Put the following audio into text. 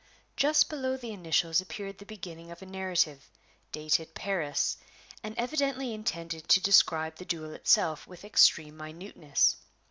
Just below the initials appeared the beginning of a narrative, dated "Paris," and evidently intended to describe the duel itself with extreme minuteness.